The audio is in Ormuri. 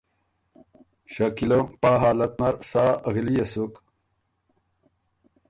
شکیلۀ پا حالت نر سا غِليې سُک